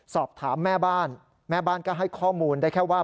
สอบถามแม่บ้านแม่บ้านก็ให้ข้อมูลได้แค่ว่า